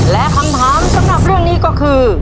และคำถามสำหรับเรื่องนี้ก็คือ